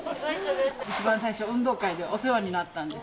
一番最初、運動会でお世話になったんです。